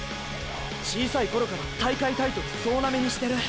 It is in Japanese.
小さい頃から大会タイトル総ナメにしてる。